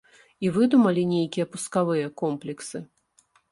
І выдумалі нейкія пускавыя комплексы!